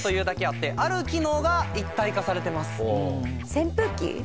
扇風機？